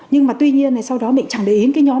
nhưng mà tuy nhiên sau đó mình chẳng để ý đến cái nhóm đó